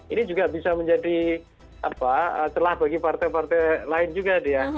ini juga bisa menjadi celah bagi partai partai lain juga dia